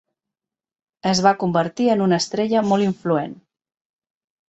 Es va convertir en una estrella molt influent.